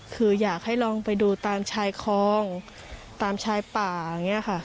คืออยากให้ลองไปดูตามชายคลองตามชายป่าอย่างนี้ค่ะ